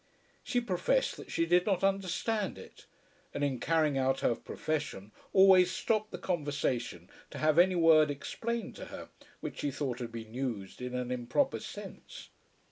She professed that she did not understand it; and in carrying out her profession always stopped the conversation to have any word explained to her which she thought had been used in an improper sense.